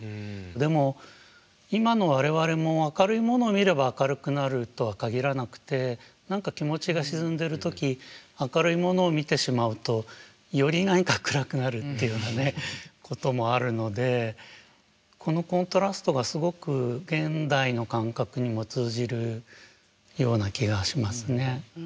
でも今の我々も明るいものを見れば明るくなるとは限らなくて何か気持ちが沈んでる時明るいものを見てしまうとより何か暗くなるっていうようなねこともあるのでこのコントラストがすごく現代の感覚にも通じるような気がしますね。